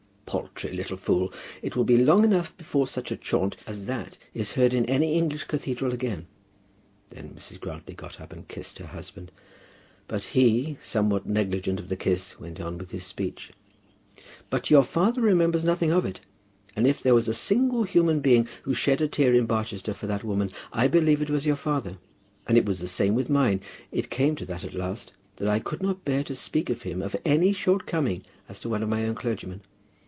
"Paltry little fool! It will be long enough before such a chaunt as that is heard in any English cathedral again." Then Mrs. Grantly got up and kissed her husband, but he, somewhat negligent of the kiss, went on with his speech. "But your father remembers nothing of it, and if there was a single human being who shed a tear in Barchester for that woman, I believe it was your father. And it was the same with mine. It came to that at last, that I could not bear to speak to him of any shortcoming as to one of his own clergymen.